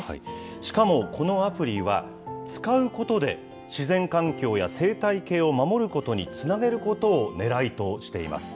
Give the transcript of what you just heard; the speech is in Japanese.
しかもこのアプリは、使うことで自然環境や生態系を守ることにつなげることをねらいとしています。